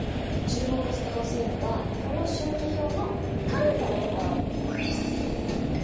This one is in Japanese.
注目してほしいのはこの周期表の炭素のところ。